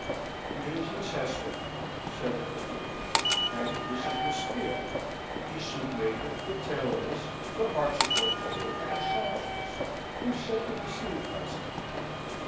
"Here is Miss Hester," said the Colonel, "and this is Miss Theo, the soup maker, the tailoress, the harpsichord player, and the songstress, who set you to sleep last night.